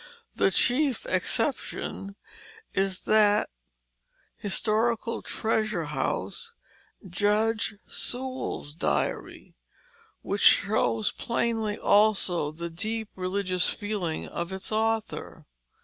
The chief exception is that historical treasure house, Judge Sewall's diary, which shows plainly, also, the deep religious feeling of its author.